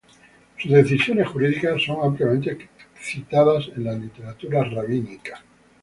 Sus decisiones jurídicas son ampliamente citadas en la literatura rabínica.